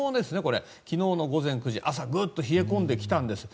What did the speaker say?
昨日の午前９時、朝ぐっと冷え込んできたんです。